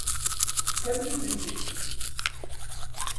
Tefkam-iyi-tent-id.